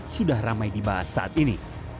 sudah ramai dibahas saat ini